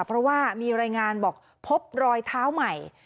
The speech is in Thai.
เพราะว่ามีรายงานบอกพบรอยเท้าใหม่